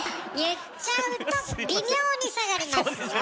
言っちゃうと微妙に下がりますよ？